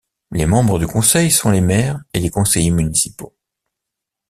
Les membres du Conseil sont les maires et les conseillers municipaux.